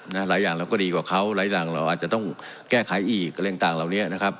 หลายอย่างเราก็ดีกว่าเขาหลายอย่างเราอาจจะต้องแก้ไขอีกอะไรต่างเหล่านี้นะครับ